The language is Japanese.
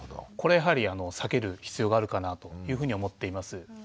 これやはり避ける必要があるかなというふうに思っています。